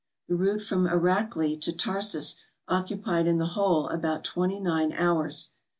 The route from Erakli to Tarsus occupied in the whole about twenty nine hours.